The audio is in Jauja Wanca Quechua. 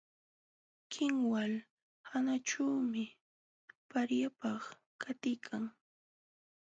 Kinwal hanaćhuumi paryakaq takiykan.